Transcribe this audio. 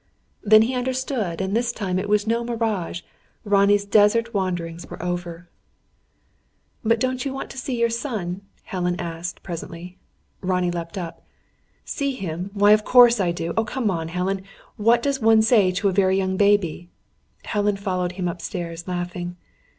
Then he understood; and, this time, it was no mirage. Ronnie's desert wanderings were over. "But don't you want to see your son?" Helen asked, presently. Ronnie leapt up. "See him? Why, of course I do! Oh, come on!... Helen! What does one say to a very young baby?" Helen followed him upstairs, laughing.